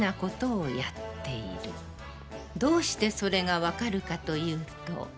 どうしてそれが判るかというと。